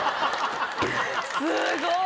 すごい！